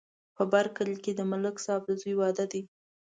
په بر کلي کې د ملک صاحب د زوی واده دی.